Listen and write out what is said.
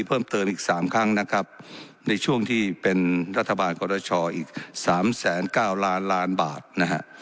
เพิ่มเติมอีกสามครั้งนะครับในช่วงที่เป็นรัฐบาลกรชอีกสามแสนเก้าล้านล้านบาทนะฮะ